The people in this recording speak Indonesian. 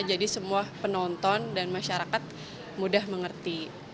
jadi semua penonton dan masyarakat mudah mengerti